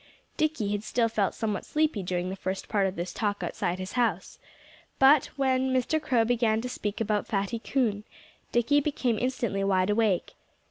Dickie had still felt somewhat sleepy during the first part of this talk outside his house. But when Mr. Crow began to speak about Fatty Coon, Dickie became instantly wide awake.